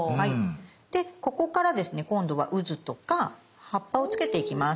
でここからですね今度はうずとか葉っぱをつけていきます。